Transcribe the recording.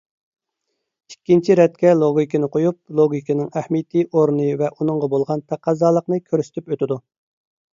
ئىككىنچى رەتكە لوگىكىنى قويۇپ، لوگىكىنىڭ ئەھمىيىتى، ئورنى ۋە ئۇنىڭغا بولغان تەقەززالىقنى كۆرسىتىپ ئۆتىدۇ.